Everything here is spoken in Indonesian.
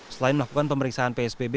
selain melakukan pemeriksaan psbb